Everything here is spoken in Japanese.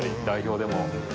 代表でも。